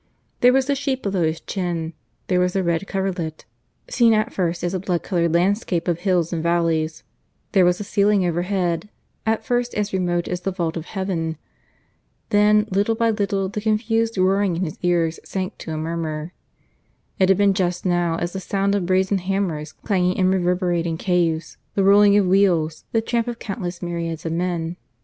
There was the sheet below his chin; there was a red coverlet (seen at first as a blood coloured landscape of hills and valleys); there was a ceiling, overhead, at first as remote as the vault of heaven. Then, little by little, the confused roaring in his ears sank to a murmur. It had been just now as the sound of brazen hammers clanging in reverberating caves, the rolling of wheels, the tramp of countless myriads of men.